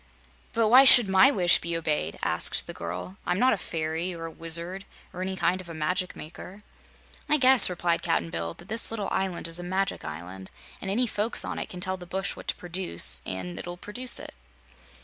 "But why should MY wish be obeyed?" asked the girl. "I'm not a fairy or a wizard or any kind of a magic maker." "I guess," replied Cap'n Bill, "that this little island is a magic island, and any folks on it can tell the bush what to produce, an' it'll produce it."